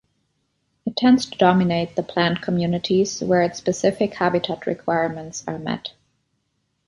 It tends to dominate the plant communities where its specific habitat requirements are met.